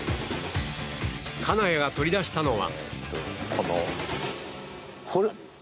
金谷が取り出したのは。